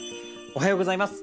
おはようございます。